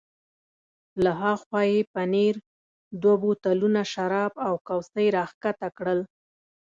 له ها خوا یې پنیر، دوه بوتلونه شراب او کوسۍ را کښته کړل.